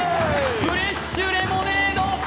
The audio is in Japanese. フレッシュレモネード